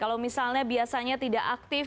kalau misalnya biasanya tidak aktif